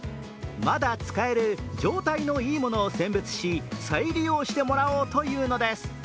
まだ仕える状態のいいものを選別し、再利用してもらおうというのです。